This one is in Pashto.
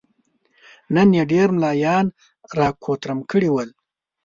نن يې ډېر ملايان را کوترم کړي ول.